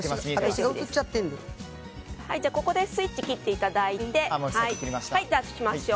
ここでスイッチを切っていただいて出しましょう。